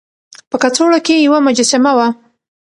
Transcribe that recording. په کڅوړه کې يوه مجسمه وه.